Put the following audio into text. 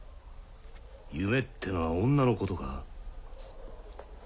夢ってのは女のことか？